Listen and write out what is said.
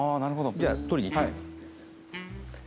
じゃあ取りに行って。